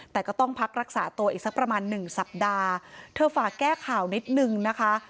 แต่ก็ต้องพักรักษาตัวอีกสักประมาณหนึ่งสัปดาห์เธอฝากแก้ข่าวนิดนึงนะคะ